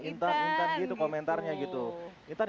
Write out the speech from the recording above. intan gitu komentarnya gitu